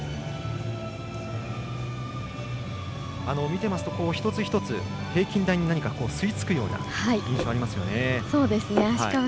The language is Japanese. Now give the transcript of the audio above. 見てますと一つ一つ、平均台に吸い付くような印象ありますよね。